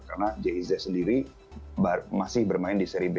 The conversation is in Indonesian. karena j i zdez sendiri masih bermain di seri b